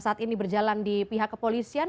saat ini berjalan di pihak kepolisian